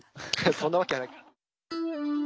そんなわけはないか。